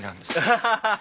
ハハハハッ。